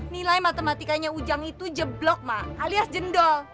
nilai matematikanya ujam itu jeblok mak alias jendol